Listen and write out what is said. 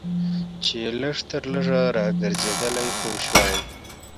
چې لږ تر لږه راګرځېدلی خو شوای.